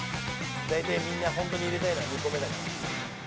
大体みんなホントに入れたいのは２個目だから。